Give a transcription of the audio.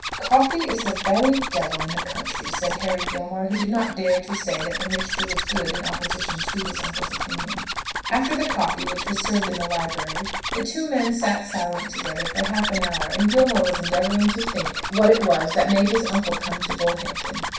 "Coffee is the very devil in the country," said Harry Gilmore, who did not dare to say that the mixture was good in opposition to his uncle's opinion. After the coffee, which was served in the library, the two men sat silent together for half an hour, and Gilmore was endeavouring to think what it was that made his uncle come to Bullhampton.